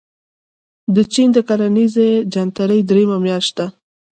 د چين د کرنیزې جنترې درېیمه میاشت ده.